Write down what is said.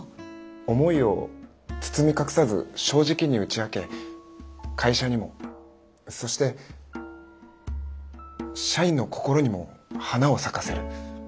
思いを包み隠さず正直に打ち明け会社にもそして社員の心にも花を咲かせる。